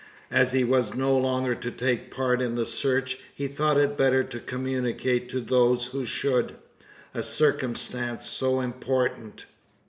As he was no longer to take part in the search, he thought it better to communicate to those who should, a circumstance so important.